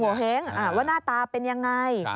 เห้งว่าหน้าตาเป็นยังไง